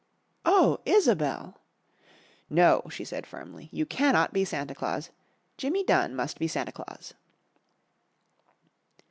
"Oh, Isobel!" "No," she said firmly, "you cannot be Santa Claus. Jimmy Dunn must be Santa Claus!"